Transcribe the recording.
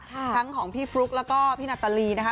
ทั้งของพี่ฟลุ๊กแล้วก็พี่นาตาลีนะคะ